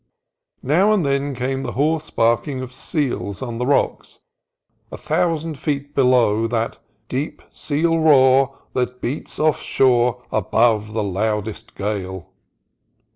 Now and then came the hoarse barking of seals on the rocks a thousand feet below, — that " Deep seal roar that beats off shore above the loudest gale."